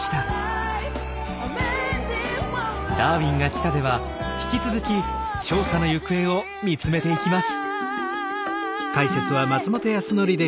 「ダーウィンが来た！」では引き続き調査の行方を見つめていきます。